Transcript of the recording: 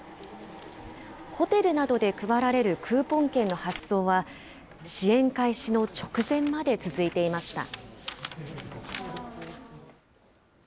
ホテルなどで配られるクーポン券の発送は、支援開始の直前まで続いていました。